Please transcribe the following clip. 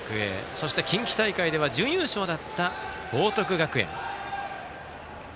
そして、近畿大会では準優勝だった報徳学園。